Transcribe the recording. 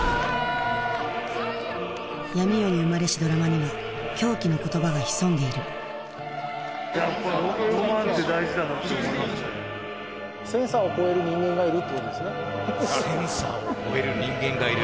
闇夜に生まれしドラマには狂気の言葉が潜んでいる「センサーを超える人間がいる」。